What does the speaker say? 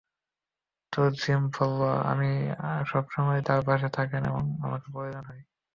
তো, জিম বললো আপনি সবসময় তার পাশে থাকেন যখন তার আপনাকে প্রয়োজন হয়।